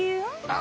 あ？